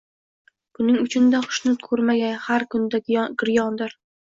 Buning uchun-da hushnud koʻrmagay har kunda giryondir